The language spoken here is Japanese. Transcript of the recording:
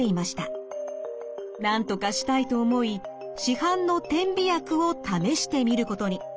なんとかしたいと思い市販の点鼻薬を試してみることに。